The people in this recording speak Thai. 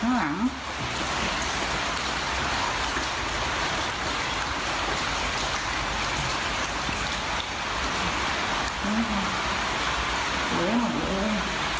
พายุที่สุดว่าน่ามากขึ้น